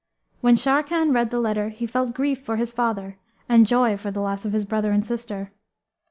When Sharrkan read the letter he felt grief for his father and joy for the loss of his brother and sister.